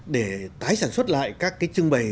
để tái sản xuất lại các cái trưng bày